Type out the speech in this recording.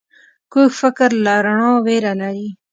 کوږ فکر له رڼا ویره لري